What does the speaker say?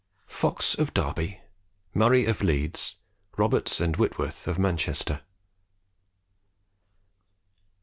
FOX OF DERBY MURRAY OF LEEDS ROBERTS AND WHITWORTH OF MANCHESTER.